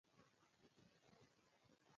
د هندوانې د خوراک وروسته اوبه څښل نه دي پکار.